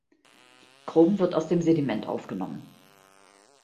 Chrom wird aus dem Sediment aufgenommen.